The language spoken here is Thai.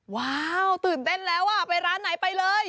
ว้าวตื่นเต้นแล้วอ่ะไปร้านไหนไปเลย